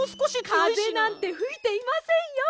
かぜなんてふいていませんよ。